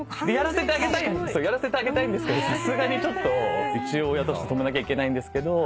やらせてあげたいんですけどさすがに一応親として止めなきゃいけないんですけど。